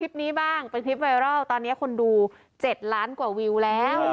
บ้างเป็นคลิปไวรัลตอนนี้คนดู๗ล้านกว่าวิวแล้ว